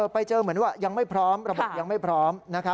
ไปเจอเหมือนว่ายังไม่พร้อมระบบยังไม่พร้อม